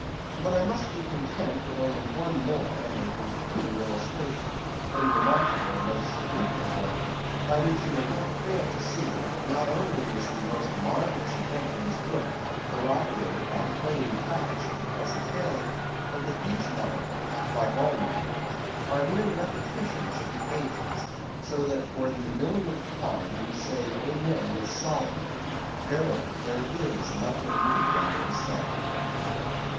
But I must be content with only one more and a concluding illustration; a remarkable and most significant one, by which you will not fail to see, that not only is the most marvellous event in this book corroborated by plain facts of the present day, but that these marvels (like all marvels) are mere repetitions of the ages; so that for the millionth time we say amen with Solomon—Verily there is nothing new under the sun.